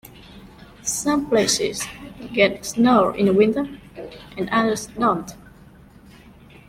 Some places get snow in the winter and others don't.